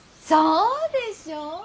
そうでしょう。